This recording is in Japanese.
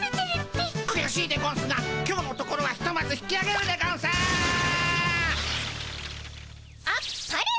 くやしいでゴンスが今日のところはひとまず引きあげるでゴンス！あっぱれ！